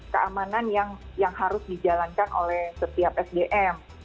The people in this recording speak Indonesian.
keamanan yang harus dijalankan oleh setiap sdm